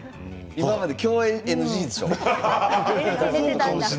今まで共演ＮＧでしょう？